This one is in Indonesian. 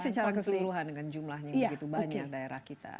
tapi secara keseluruhan dengan jumlahnya begitu banyak daerah kita